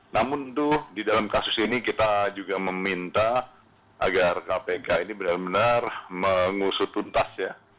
namun tentu di dalam kasus ini kita juga meminta agar kpk ini benar benar mengusut tuntas ya